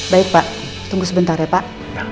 baik pak tunggu sebentar ya pak